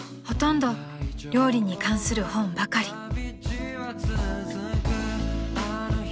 ［ほとんど料理に関する本ばかり］